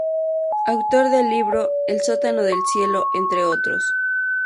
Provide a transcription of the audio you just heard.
Autor del libro "El sótano del Cielo" entre otros.